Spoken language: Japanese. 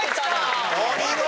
お見事！